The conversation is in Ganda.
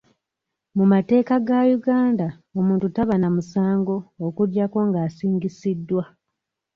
Mu mateeka ga Uganda, omuntu taba na musango okujjako nga asingisiddwa.